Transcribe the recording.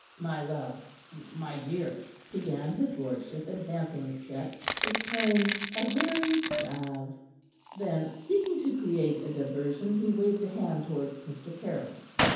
"My love my dear " began his lordship, advancing a step, his tone a very salve. Then, seeking to create a diversion, he waved a hand towards Mr. Caryll.